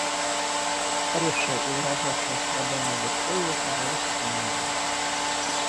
Постаревшее и выражавшее страдание лицо его казалось окаменелым.